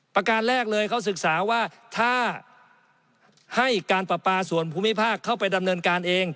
ประการแรกเลยเขาศึกษาว่าถ้าให้การประปาส่วนภูมิภาคเข้าไปดำเนินการเอง